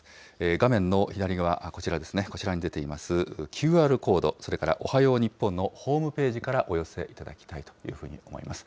画面の左側、こちらですね、こちらに出ています、ＱＲコード、それからおはよう日本のホームページからお寄せいただきたいというふうに思います。